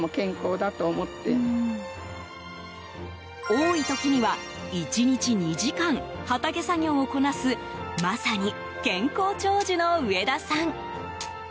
多い時には１日２時間、畑作業をこなすまさに健康長寿の上田さん。